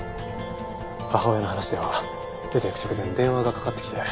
母親の話では出ていく直前に電話がかかってきて。